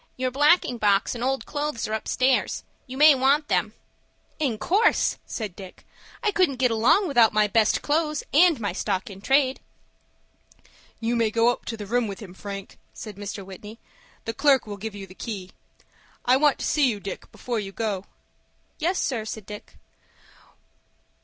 "Your blacking box and old clothes are upstairs. You may want them." "In course," said Dick. "I couldn't get along without my best clothes, and my stock in trade." "You may go up to the room with him, Frank," said Mr. Whitney. "The clerk will give you the key. I want to see you, Dick, before you go." "Yes, sir," said Dick.